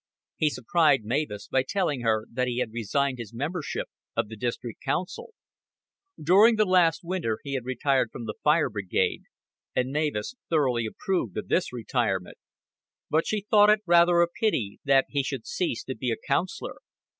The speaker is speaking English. He surprised Mavis by telling her that he had resigned his membership of the District Council. During the last winter he had retired from the fire brigade, and Mavis thoroughly approved of this retirement; but she thought it rather a pity that he should cease to be a councilor.